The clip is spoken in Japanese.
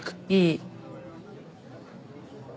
いい。